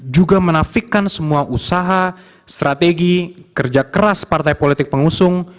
juga menafikan semua usaha strategi kerja keras partai politik pengusung